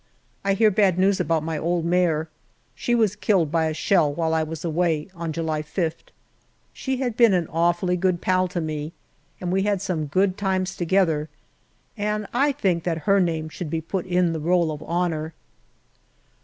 I hear bad news about my old mare. She was killed by a shell while I was away, on July 5th. She had been an awfully good pal to me, and we had some good times 174 GALLIPOLI DIARY together, and I think that her name should be put in the Roll of Honour.